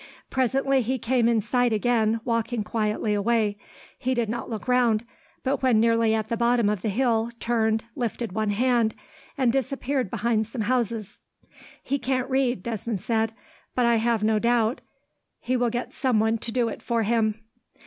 Presently he came in sight again, walking quietly away. He did not look round; but when nearly at the bottom of the hill turned, lifted one hand, and disappeared behind some houses. "He can't read," Desmond said, "but I have no doubt he will get someone to do it for him."